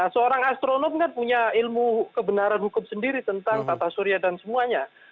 seorang astronom kan punya ilmu kebenaran hukum sendiri tentang tata surya dan semuanya